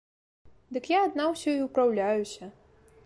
Дык я адна ўсё і ўпраўляюся.